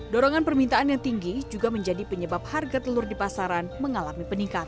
dorongan permintaan yang tinggi juga menjadi penyebab harga telur di pasaran mengalami peningkatan